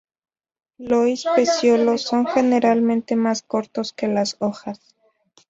Lois pecíolos son generalmente más cortos que las hojas.